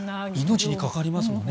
命に関わりますもんね。